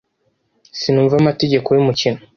Sinumva amategeko yumukino.